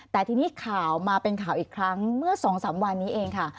แต่ทีนี้ข่าวมาเป็นข่าวอีกครั้งเมื่อ๒๓วันนี้เองค่ะ